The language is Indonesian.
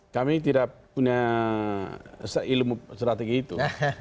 kami tidak punya seilmu strategi itu